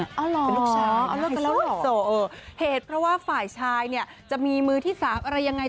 เป็นลูกชายไฮโซเออเหตุเพราะว่าฝ่ายชายเนี่ยจะมีมือที่สาวอะไรยังไง